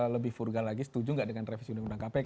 lebih furga lagi setuju nggak dengan revisi undang undang kpk